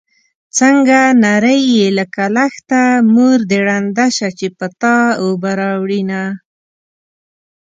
څنګه نرۍ يې لکه لښته مور دې ړنده شه چې په تا اوبه راوړينه